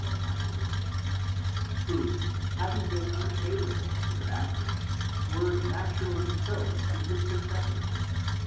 who, having been unfavourable to the Baptist, were naturally so to his successor.